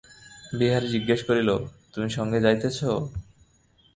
বিহারী জিজ্ঞাসা করিল, তুমি সঙ্গে যাইতেছ?